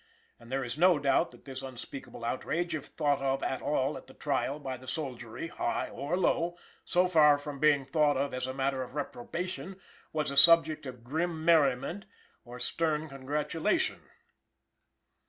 And there is no doubt that this unspeakable outrage, if thought of at all at the trial by the soldiery high or low so far from being thought of as a matter of reprobation, was a subject of grim merriment or stern congratulation.